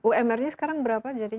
umr nya sekarang berapa jadi